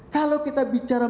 kalau kita bicara